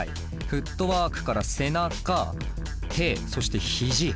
フットワークから背中手そして肘。